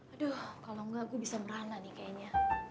aduh kalau enggak gue bisa merana nih kayaknya